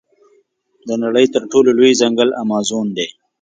د نړۍ تر ټولو لوی ځنګل امازون دی.